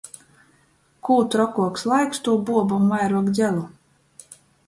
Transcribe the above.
Kū trokuoks laiks, tū buobom vairuok dzelu.